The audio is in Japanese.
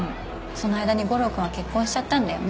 その間に悟郎君は結婚しちゃったんだよね。